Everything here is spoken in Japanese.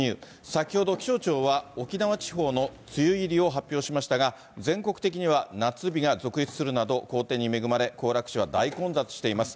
先ほど気象庁は、沖縄地方の梅雨入りを発表しましたが、全国的には夏日が続出するなど、好天に恵まれ、行楽地は大混雑しています。